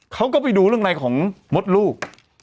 เขาก็ไปดูเรื่องในของมดลูก